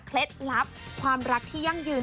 ลับความรักที่ยั่งยืน